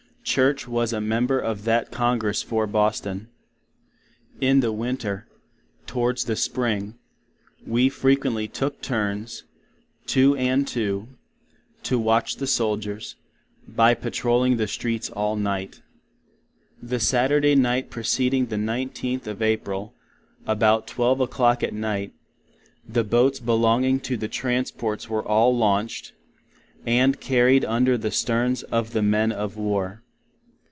(Church was a member of that Congress for Boston.) In the Winter, towards the Spring, we frequently took Turns, two and two, to Watch the Soldiers, By patroling the Streets all night. The Saturday Night preceding the 19th of April, about 12 oClock at Night, the Boats belonging to the Transports were all launched, and carried under the Sterns of the Men of War.